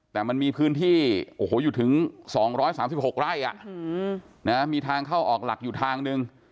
แต่มันมีพื้นที่โอ้โหอยู่ถึงสองร้อยสามสิบหกไร่อ่ะนะฮะมีทางเข้าออกหลักอยู่ทางหนึ่ง